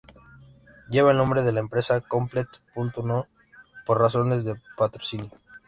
Lleva el nombre de la empresa Komplett.no por razones de patrocinio.